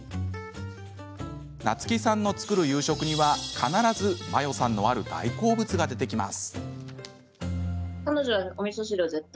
菜月さんの作る夕食には必ず万葉さんのある大好物が出てきます。